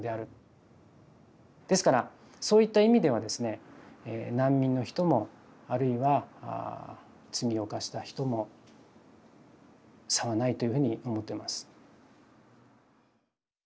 ですからそういった意味ではですね難民の人もあるいは罪を犯した人も差はないというふうに思ってます。